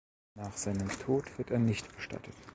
Nach seinem Tod wird er nicht bestattet.